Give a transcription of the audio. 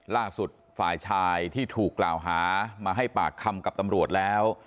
ล่าสุดฝ่ายชายที่ถูกกล่าวหามาให้ปากคำกับตำรวจแล้ว